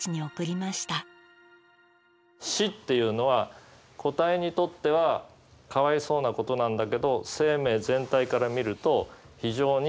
死っていうのは個体にとってはかわいそうなことなんだけど生命全体から見ると非常に利他的なことなわけ。